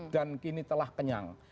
dan kini telah kenyang